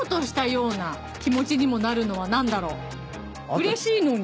うれしいのに。